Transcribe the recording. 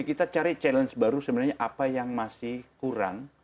kita cari challenge baru sebenarnya apa yang masih kurang